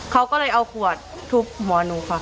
เขาก็เลยเอาขวดฝาทุบหมอนูเบาะ